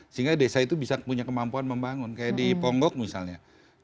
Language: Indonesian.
sehingga desa itu bisa punya kemampuan membangun kayak di ponggok misalnya